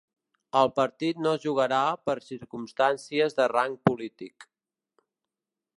El partit no es jugarà per circumstàncies de rang polític.